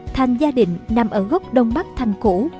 thành gia định nằm ở gốc đông bắc thành cổ